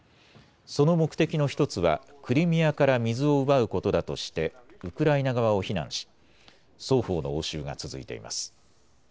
その目的の１つはクリミアから水を奪うことだとしてウクライナ側を非難し双方の応酬が続いています。